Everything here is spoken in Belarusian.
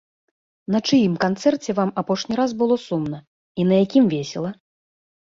На чыім канцэрце вам апошні раз было сумна, і на якім весела?